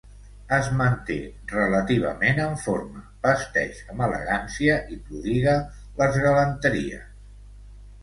Es manté relativament en forma, vesteix amb elegància i prodiga les galanteries.